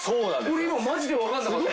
今マジで分かんなかった。